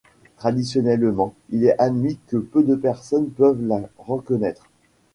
Traditionnellement, il est admis que peu de personnes peuvent la reconnaître.